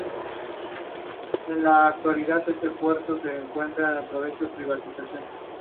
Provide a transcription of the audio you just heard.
En la actualidad este puerto se encuentra en el proceso de privatización.